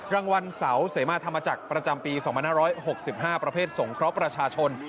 รางวัลเสาเสมาธรรมจักรประจำปี๒๕๖๕ประเภทสงเคราะห์ประชาชน